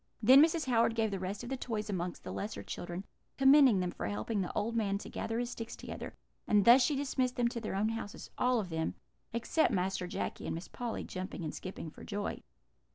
"Then Mrs. Howard gave the rest of the toys among the lesser children, commending them for helping the old man to gather his sticks together; and thus she dismissed them to their own houses, all of them, except Master Jacky and Miss Polly, jumping and skipping for joy."